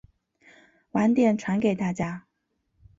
晚点传给大家